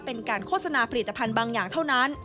เป็นการโฆษณาผลิตภัณฑ์บางอย่างเท่านั้น